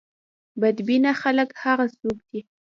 بد بینه خلک هغه څوک دي.